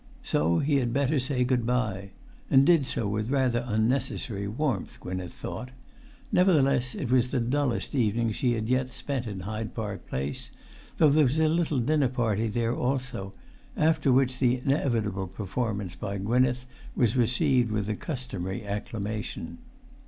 So he had better say good bye; and did so with rather unnecessary warmth, Gwynneth thought; nevertheless, it was the dullest evening she had yet spent in Hyde Park Place, though there was a little dinner party there also, after which the inevitable performance by Gwynneth was received with the customary acclamation.